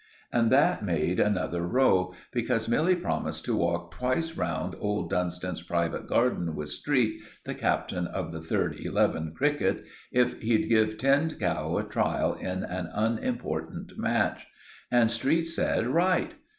And that made another row, because Milly promised to walk twice round old Dunstan's private garden with Street, the captain of the third eleven (cricket), if he'd give Tinned Cow a trial in an unimportant match; and Street said "Right."